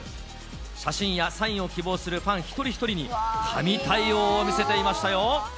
写真やサインを希望するファン一人一人に、神対応を見せていましたよ。